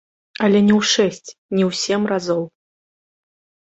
Але не ў шэсць, не ў сем разоў.